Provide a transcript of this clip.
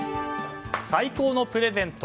最高のプレゼント？